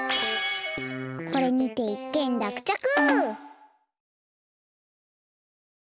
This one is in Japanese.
これにていっけんらくちゃく！